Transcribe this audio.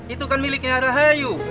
itu kan miliknya rahayu